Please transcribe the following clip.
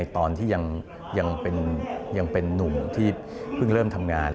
ตอนที่ยังเป็นนุ่มที่เพิ่งเริ่มทำงาน